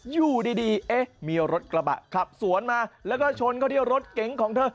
อยู่ดีเอ๊ะมีรถกระบะขับสวนมาแล้วก็ชนเข้าที่รถเก๋งของเธอ